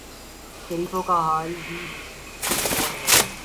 شریفوں کا حال ہی اور ہے۔